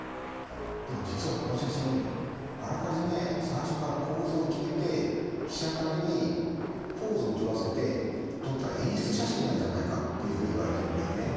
でも実はこの写真あらかじめ最初から構図を決めて被写体にポーズをとらせて撮った演出写真なんじゃないかっていうふうに言われてるんだよね。